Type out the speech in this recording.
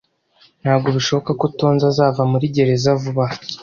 Ntabwo bishoboka ko Tonzi azava muri gereza vuba aha.